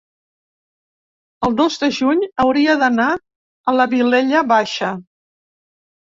el dos de juny hauria d'anar a la Vilella Baixa.